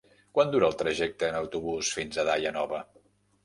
Quant dura el trajecte en autobús fins a Daia Nova?